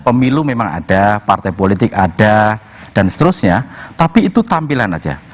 pemilu memang ada partai politik ada dan seterusnya tapi itu tampilan aja